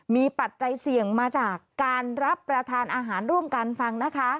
มีปัจจัยเสี่ยงมาจากการรับประทานอาหารร่วมกันฟังนะคะ